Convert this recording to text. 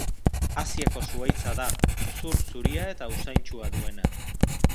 Asiako zuhaitza da, zur zuria eta usaintsua duena.